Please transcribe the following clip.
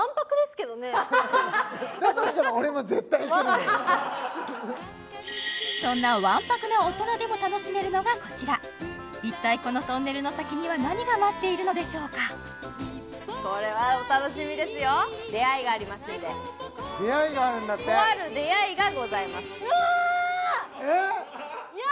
でもそんなわんぱくな大人でも楽しめるのがこちら一体このトンネルの先には何が待っているのでしょうかこれはお楽しみですよ出会いがありますんでとある出会いがございますえっ？